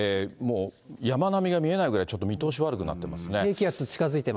もう山並みが見えないぐらい、ちょっと見通し悪くなってますね。